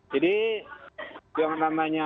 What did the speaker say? jadi yang namanya